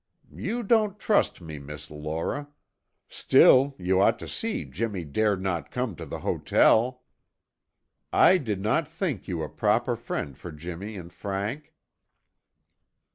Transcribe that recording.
"You don't trust me, Miss Laura. Still you ought to see Jimmy dared not come to the hotel." "I did not think you a proper friend for Jimmy and Frank."